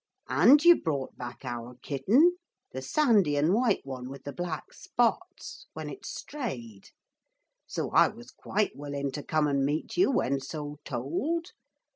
And you brought back our kitten the sandy and white one with black spots when it strayed. So I was quite willing to come and meet you when so told.